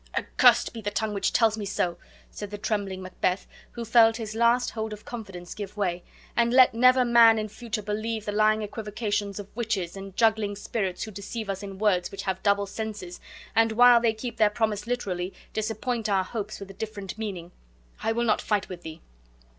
"Accursed be the tongue which tells me so," said the trembling Macbeth, who felt his last hold of confidence give way; "and let never man in future believe the lying equivocations of witches and juggling spirits who deceive us in words which have double senses, and, while they keep their promise literally, disappoint our hopes with a different meaning. I will not fight with thee."